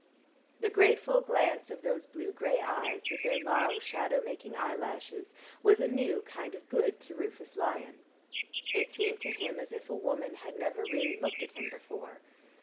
The grateful glance of those blue gray eyes, with their long shadow making eyelashes, was a new kind of good to Rufus Lyon; it seemed to him as if a woman had never really looked at him before.